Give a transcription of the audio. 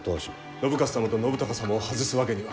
信雄様と信孝様を外すわけには。